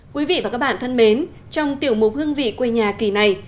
quý vị và các bạn thân mến trong tiểu mục hương vị quê nhà kỳ này